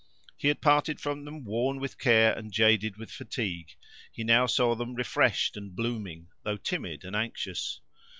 He had parted from them worn with care, and jaded with fatigue; he now saw them refreshed and blooming, though timid and anxious.